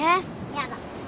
やだ。